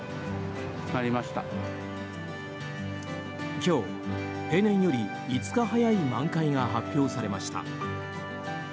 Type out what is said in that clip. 今日、平年より５日早い満開が発表されました。